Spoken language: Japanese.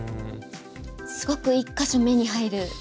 すごく１か所目に入る。